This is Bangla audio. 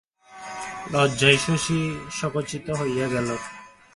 লজ্জায় শশী সচকিত হইয়া গেলর।